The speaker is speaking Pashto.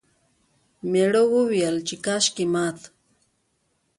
میړه وویل چې کاشکې مات...